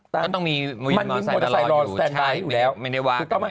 ก็ต้องมีมอเตอร์ไซค์รออยู่ใช่ไม่ได้วาด